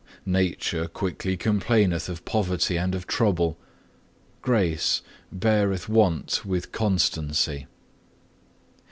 15. "Nature quickly complaineth of poverty and of trouble; Grace beareth want with constancy.